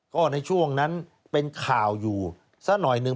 ก็ในช่วงนั้นเป็นข่าวอยู่สักหน่อยหนึ่ง